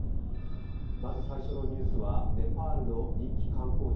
まず最初のニュースはネパールの人気観光地